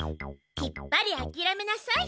きっぱりあきらめなさい。